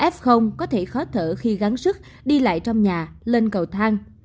f có thể khó thở khi gắn sức đi lại trong nhà lên cầu thang